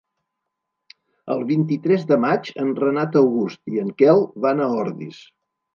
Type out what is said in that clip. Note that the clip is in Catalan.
El vint-i-tres de maig en Renat August i en Quel van a Ordis.